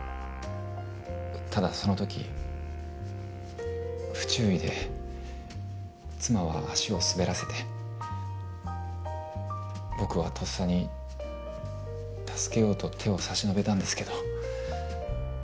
ただその時不注意で妻は足を滑らせて僕はとっさに助けようと手を差し伸べたんですけど。